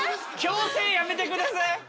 強制やめてください。